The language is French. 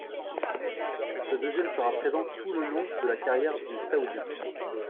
Ce deuxième sera présent tout le long de la carrière du Saoudien.